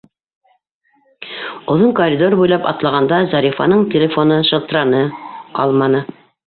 Оҙон коридор буйлап атлағанда Зарифаның телефоны шылтыраны, алманы.